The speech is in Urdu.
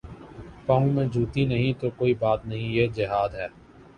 پاؤں میں جوتی نہیں تو کوئی بات نہیں یہ جہاد ہے۔